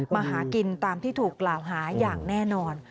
มาหากินตามที่ถูกกล่าวหาอย่างแน่นอน